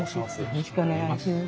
よろしくお願いします。